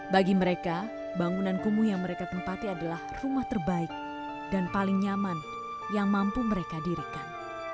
bagi mereka bangunan kumuh yang mereka tempati adalah rumah terbaik dan paling nyaman yang mampu mereka dirikan